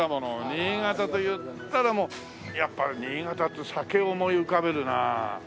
新潟といったらもうやっぱ新潟って酒を思い浮かべるなあ。